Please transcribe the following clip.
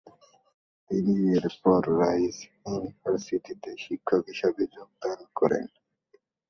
তিনি এরপর রাইস ইউনিভার্সিটিতে শিক্ষক হিসেবে যোগদান করেন।